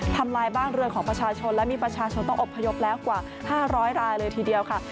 ทำลายบ้านเรือนของประชาชนและมีประชาชนต้องอบพยพแล้วกว่า๕๐๐รายเลยทีเดียวค่ะ